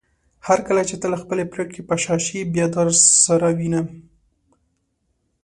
هرکله چې ته له خپلې پریکړې په شا شې بيا درسره وينم